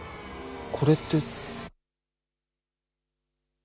これって。